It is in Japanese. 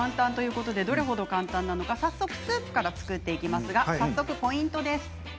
どれくらい簡単なのか早速スープから作っていきますポイントです。